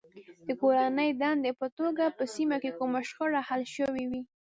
د کورنۍ دندې په توګه که په سیمه کې کومه شخړه حل شوې وي.